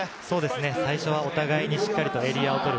最初はお互いしっかりとエリアを取る。